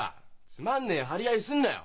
つまんねえ張り合いすんなよ。